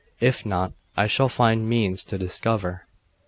If not, I shall find means to discover.